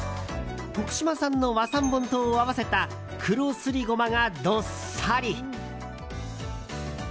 徳島産の和三盆糖を合わせた黒すりゴマがどっさり。